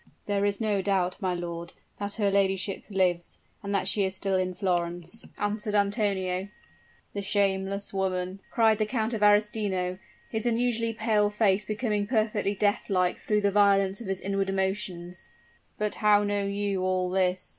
"There is no doubt, my lord, that her ladyship lives, and that she is still in Florence," answered Antonio. "The shameless woman," cried the Count of Arestino, his usually pale face becoming perfectly death like through the violence of his inward emotions. "But how know you all this?"